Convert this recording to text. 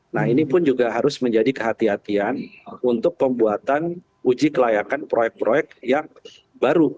nah ini pun juga harus menjadi kehatian untuk pembuatan uji kelayakan proyek proyek yang baru